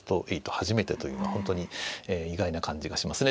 初めてというのは本当に意外な感じがしますね。